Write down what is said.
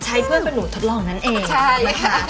ให้เพื่อนเป็นหนูทดลองนั้นเอง